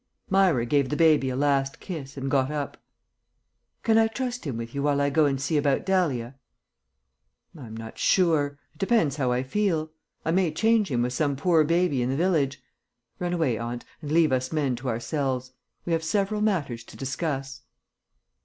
Myra gave the baby a last kiss and got up. "Can I trust him with you while I go and see about Dahlia?" "I'm not sure. It depends how I feel. I may change him with some poor baby in the village. Run away, aunt, and leave us men to ourselves. We have several matters to discuss."